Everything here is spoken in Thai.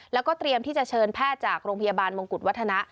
แล้วก็เตรียมที่จะเชิญแพทย์จากโรงพยาบาลมงกุฎวัฒนะ